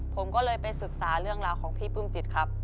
ผมก็เลยไปศึกษาเรื่องราวของพี่ปลื้มจิตครับ